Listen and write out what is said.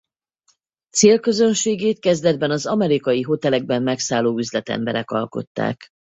Célközönségét kezdetben az amerikai hotelekben megszálló üzletemberek alkották.